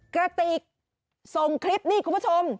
กระติกส่งคลิปนี่คุณผู้ชม